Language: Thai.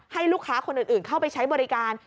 ให้ลูกค้าคนอื่นเข้าไปใช้บริการ